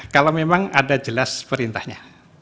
kalau memang ada jelas perintahnya